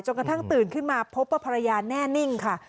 กระทั่งตื่นขึ้นมาพบว่าภรรยาแน่นิ่งค่ะ